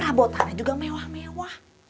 rabotannya juga mewah mewah